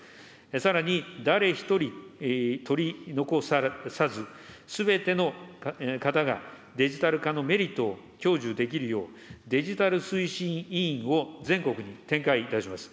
さらに誰一人取り残さず、すべての方がデジタル化のメリットを享受できるよう、デジタル推進委員を全国に展開いたします。